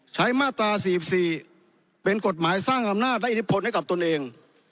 มาตรา๔๔เป็นกฎหมายสร้างอำนาจและอิทธิพลให้กับตนเอง